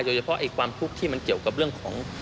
เฉพาะความทุกข์ที่มันเกี่ยวกับเรื่องของ